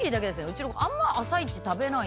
うちの子あんま朝一食べない。